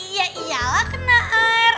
ya iyalah kena air